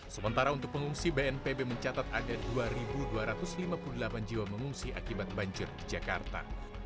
sementara untuk pengungsi bnpb mencatat ada dua dua ratus lima puluh delapan jiwa mengungsi akibat banjir di jakarta